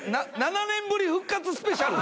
７年ぶり復活スペシャル？